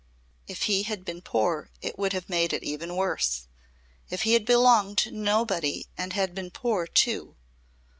"If he had been poor it would have made it even worse. If he had belonged to nobody and had been poor too